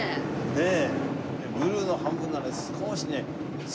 ねえ。